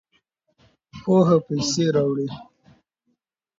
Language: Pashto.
پوهه پیسې راوړي.